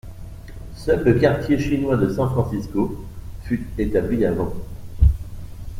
Seul le quartier chinois de San Francisco fut établi avant.